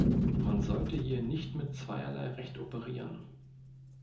Man sollte hier nicht mit zweierlei Recht operieren.